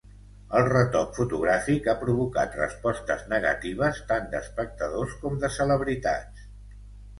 El retoc fotogràfic ha provocat respostes negatives tant d'espectadors com de celebritats.